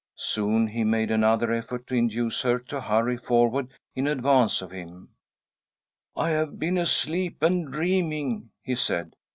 Soon he made another effort to induce her to hurry forward in advance of hini. "I have been asleep and dreaming," he said.